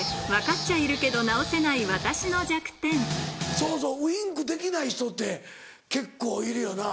そうそうウインクできない人って結構いるよな。